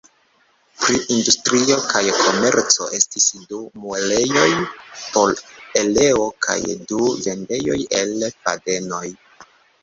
Pri industrio kaj komerco estis du muelejoj por oleo kaj du vendejoj el fadenoj.